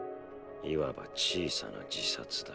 いわば小さな自殺だ。